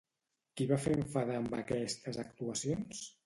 Qui va fer enfadar amb aquestes actuacions?